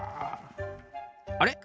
あれ？